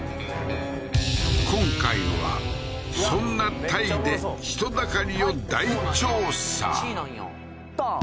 今回はそんなタイで人だかりを大調査ドーン！